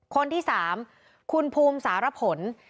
คนที่๓คุณภูมิสารผล